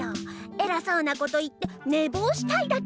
えらそうなこと言ってねぼうしたいだけじゃない。